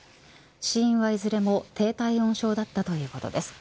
死因はいずれも低体温症だったということです。